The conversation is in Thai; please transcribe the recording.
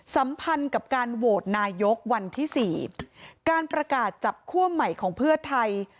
สัมพันธ์กับการโหวตนายกวันที่สี่การประกาศจับคั่วใหม่ของเพื่อไทย